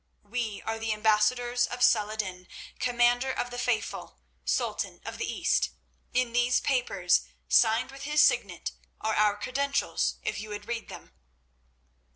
We are the ambassadors of Salah ed din, Commander of the Faithful, Sultan of the East; in these papers signed with his signet are our credentials, if you would read them."